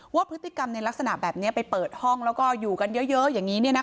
ว่าพฤติกรรมในลักษณะแบบนี้ไปเปิดห้องแล้วก็อยู่กันเยอะอย่างนี้